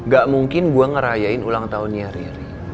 ga mungkin gua ngerayain ulang tahunnya riri